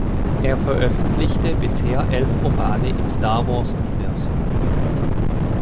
Er veröffentlichte bisher elf Romane im "Star-Wars"-Universum.